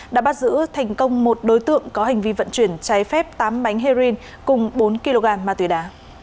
đã bắt giữ thành công một đối tượng có hành vi vận chuyển trái phép tám bánh heroin cùng bốn kg ma túy đá